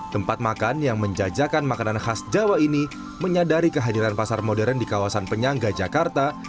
tempat makan yang menjajakan makanan khas jawa ini menyadari kehadiran pasar modern di kawasan penyangga jakarta